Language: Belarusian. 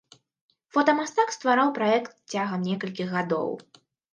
Фотамастак ствараў праект цягам некалькіх гадоў.